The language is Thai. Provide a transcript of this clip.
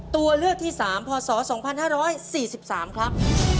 ตัวเลือกที่๓พศ๒๕๔๓ครับ